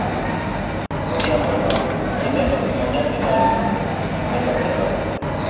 Odhiambono, ji ne otimo nyasi mar yik ne jatelono.